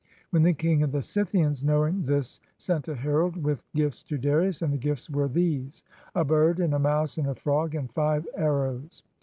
Then the King of the Scythians knowing this sent a herald with gifts to Darius, and the gifts were these: a bird, and a mouse, and a frog, and five arrows.